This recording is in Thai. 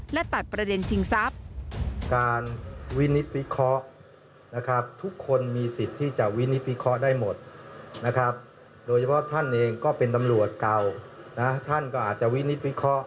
และตัดประเด็นชิงทรัพย์